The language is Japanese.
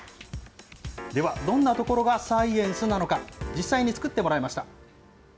ではどんなところがサイエンスなのか、実際に作ってもらいました。